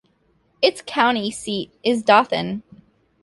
Its county seat is Dothan.